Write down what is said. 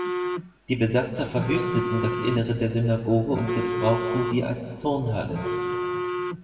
Die Besatzer verwüsteten das Innere der Synagoge und missbrauchten sie als Turnhalle.